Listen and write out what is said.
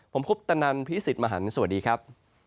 ผมคุปตนันพี่สิทธิ์มหันฯสวัสดีครับ